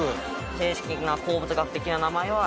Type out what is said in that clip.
正式な鉱物学的な名前は。